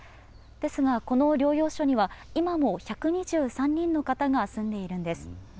ですが、この療養所には、今も１２３人の方が住んでいるんです。